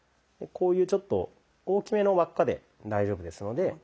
こういうちょっと大きめの輪っかで大丈夫ですので。